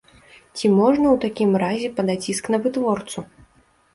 Ці можна ў такім разе падаць іск на вытворцу?